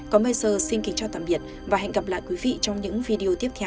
còn bây giờ xin kính chào tạm biệt và hẹn gặp lại quý vị trong những video tiếp theo